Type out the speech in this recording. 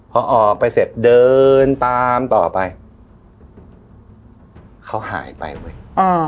พอออกไปเสร็จเดินตามต่อไปเขาหายไปเว้ย